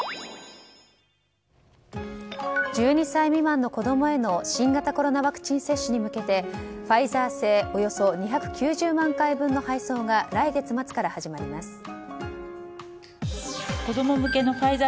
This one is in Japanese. １２歳未満の子供への新型コロナワクチン接種へ向けてファイザー製およそ２９０万回分の配送が来月末から始まります。